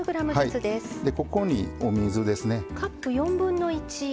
ここにお水ですね。